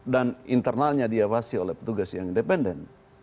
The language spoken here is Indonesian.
dan internalnya dia washi oleh petugas yang independen